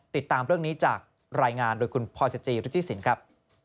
ติดตามเรื่องนี้จากรายงานโดยคุณพลอยสจิฤทธิสินครับ